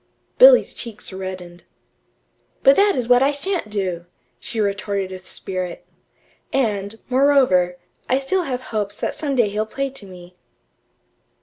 Billy's cheeks reddened. "But that is what I sha'n't do," she retorted with spirit. "And, moreover, I still have hopes that some day he'll play to me."